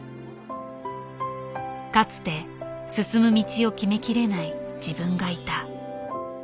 かつて進む道を決めきれない自分がいた。